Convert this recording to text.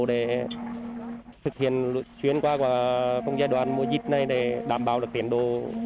để thực hiện chuyến qua con giai đoạn mùa dịch này để đảm bảo được tiến độ